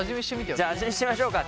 じゃあ味見しちゃいましょうか。